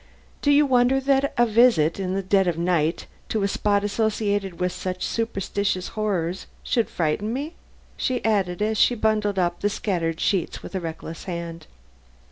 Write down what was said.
Do you wonder that a visit in the dead of night to a spot associated with such superstitious horrors should frighten me?" she added as she bundled up the scattered sheets with a reckless hand.